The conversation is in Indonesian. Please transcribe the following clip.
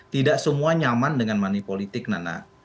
tidak semua nyaman dengan money politik nana